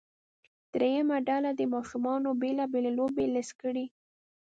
دریمه ډله دې د ماشومانو بیلا بېلې لوبې لیست کړي.